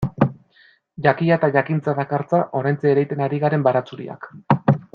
Jakia eta jakintza dakartza oraintxe ereiten ari garen baratxuriak.